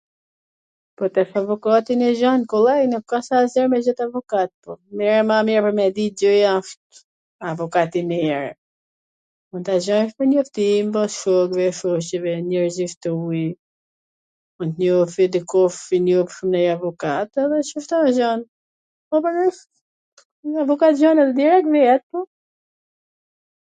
po tash avokatin e gjen kollaj, nuk asht se a zor me gjet avokat, njw her ma mir pwr me dit gjoja avokat i mir, ku ta gjesh ... ven njerzish t huj, po t njofi dikush, njof nanj avokat dhe .... gjen, po pranaj, njw avokat gjwnet direkt mbi at pun